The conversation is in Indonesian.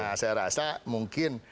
nah saya rasa mungkin